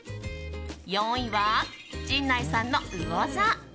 ４位は、陣内さんのうお座。